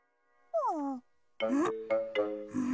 うん？